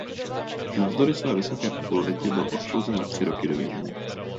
Navzdory své vysoké popularitě byl odsouzen na tři roky do vězení.